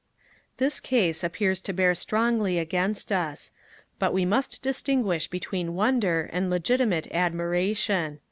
This case appears to bear strongly against us but we must distinguish between wonder and legitimate admiration.